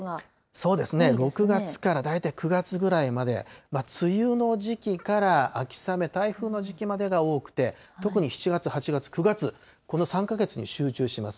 そうですね、６月から大体９月ぐらいまで、梅雨の時期から秋雨、台風の時期までが多くて、特に７月、８月、９月、この３か月に集中します。